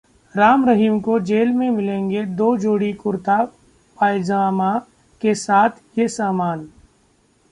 राम रहीम को जेल में मिलेंगे दो जोड़ी कुर्ता पायजामा के साथ ये सामान...